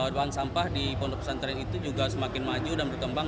ruang sampah di pondok pesantren itu juga semakin maju dan berkembang